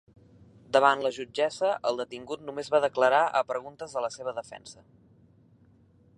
Davant la jutgessa, el detingut només va declarar a preguntes de la seva defensa.